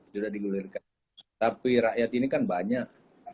sudah digulirkan tapi rakyat ini kan banyak